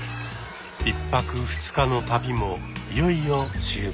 １泊２日の旅もいよいよ終盤。